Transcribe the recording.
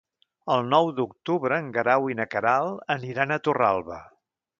El nou d'octubre en Guerau i na Queralt aniran a Torralba.